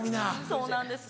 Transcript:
そうなんです